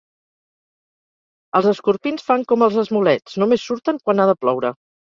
Els escorpins fan com els esmolets: només surten quan ha de ploure.